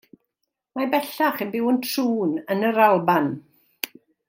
Mae bellach yn byw yn Troon yn yr Alban.